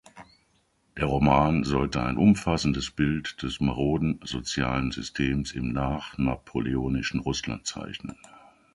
Der Roman sollte ein umfassendes Bild des maroden sozialen Systems im nach-napoleonischen Russland zeichnen.